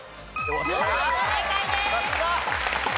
正解です。